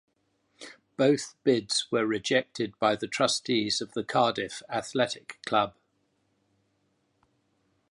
Both bids were rejected by the trustees of the Cardiff Athletic Club.